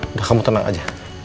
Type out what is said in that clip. udah kamu tenang aja